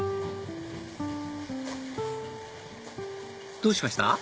どうしました？